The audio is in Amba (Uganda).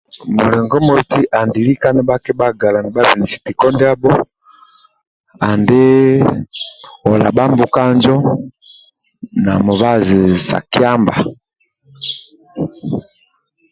Mulingo moti andi lika nibhakibhagala nibhabenisi tiko ndiabho andi ola bhambuka njo na mubazi sa kyamba